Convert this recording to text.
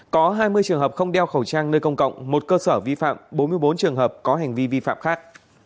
có hai mươi trường hợp không đeo khẩu trang nơi công cộng một cơ sở vi phạm bốn mươi bốn trường hợp có hành vi vi phạm khác